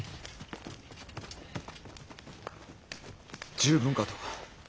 十分かと。